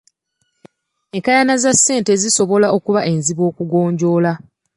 Enkaayana za ssente zisobola okuba enzibu okugonjoola.